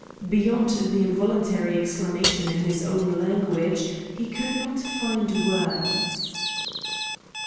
Beyond the involuntary exclamation in his own language, he could not find words.